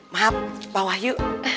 maaf pak wahyu